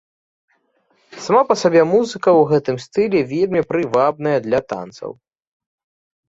Сама па сабе музыка ў гэтым стылі вельмі прывабная для танцаў.